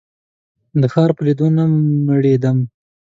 د ښار په لیدو نه مړېدم.